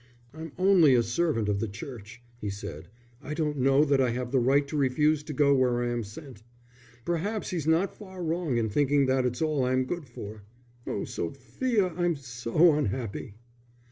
"I'm only a servant of the Church," he said. "I don't know that I have the right to refuse to go where I am sent. Perhaps he's not far wrong in thinking that it's all I'm good for. Oh, Sophia, I'm so unhappy!"